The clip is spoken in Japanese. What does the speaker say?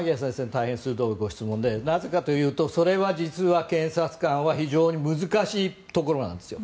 大変鋭いご質問でなぜかというと、それは実は検察官は非常に難しいところなんですよ。